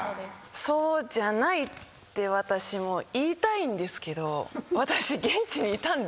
そうじゃないって私も言いたいんですけど私現地にいたんで。